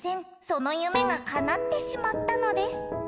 そのゆめがかなってしまったのです。